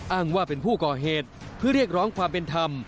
อ้างว่าเป็นผู้ก่อเหตุเพื่อเรียกร้องความเป็นธรรม